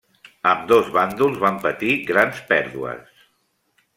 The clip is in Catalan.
Ambdós bàndols van patir grans pèrdues.